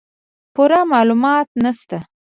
پوره معلومات نشته